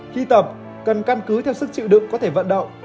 khi tập cần căn cứ theo sức chịu đựng có thể vận động